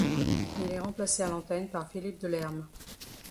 Il est remplacé à l'antenne par Philippe Delerm.